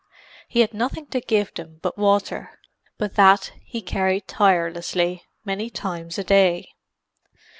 He had nothing to give them but water; but that he carried tirelessly many times a day.